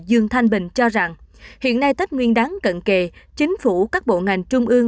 dương thanh bình cho rằng hiện nay tết nguyên đáng cận kề chính phủ các bộ ngành trung ương